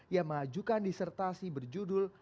yang mengajukan disertasi berjudul